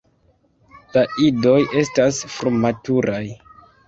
La idoj estas frumaturaj.